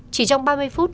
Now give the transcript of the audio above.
chỉ trong ba mươi phút